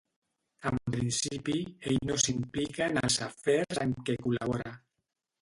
En principi ell no s'implica en els afers amb què col·labora.